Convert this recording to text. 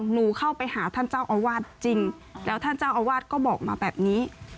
หนูเข้าไปหาท่านเจ้าอาวาสจริงแล้วท่านเจ้าอาวาสก็บอกมาแบบนี้